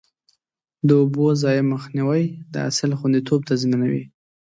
د اوبو ضایع مخنیوی د حاصل خوندیتوب تضمینوي.